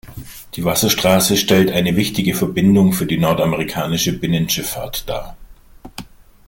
Die Wasserstraße stellt eine wichtige Verbindung für die nordamerikanische Binnenschifffahrt dar.